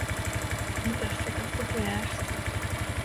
Mutasd csak azt a tojást!